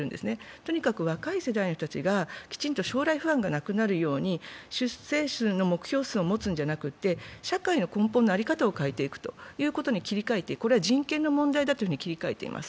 とにかく若い世代の人たちがきちんと将来不安がなくなるように出生数の目標数を持つのではなくて、社会の根本の在り方を変えていくことに切り替えて、これは人権の問題だというふうに切り替えています。